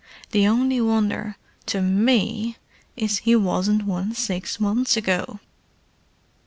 "The only wonder to me is he wasn't one six months ago!"